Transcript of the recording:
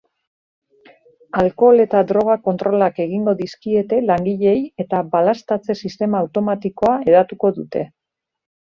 Alkohol eta droga kontrolak egingo dizkiete langileei eta balaztatze sistema automatikoa hedatuko dute.